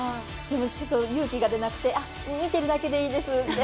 ちょっと勇気が出なくて見てるだけでいいですって。